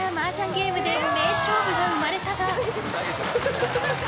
ゲームで名勝負が生まれたが。